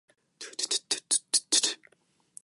二酸化炭素は環境に悪いです